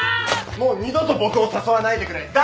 もう二度と僕を誘わないでくれ。